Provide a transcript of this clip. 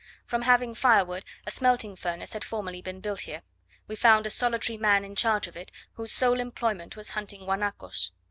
From having firewood, a smelting furnace had formerly been built here: we found a solitary man in charge of it, whose sole employment was hunting guanacos.